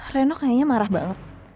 reno kayaknya marah banget